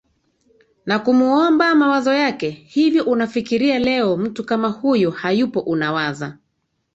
na kumuomba mawazo yake hivyo unafikiria leo mtu kama huyo hayupo unawaza